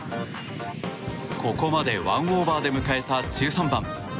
ここまで１オーバーで迎えた１３番。